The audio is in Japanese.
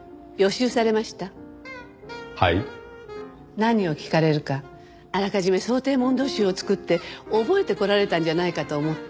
何を聞かれるかあらかじめ想定問答集を作って覚えてこられたんじゃないかと思って。